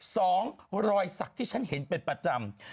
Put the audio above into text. รอยสักที่ฉันเห็นเป็นประจำ